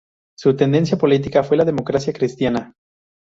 Su tendencia política fue la democracia cristiana.